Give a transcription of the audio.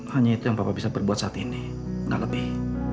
hanya itu yang bapak bisa berbuat saat ini nah lebih